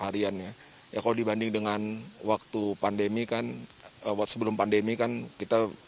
harian ya kalau dibanding dengan waktu pandemi kan waktu sebelum pandemi kan kita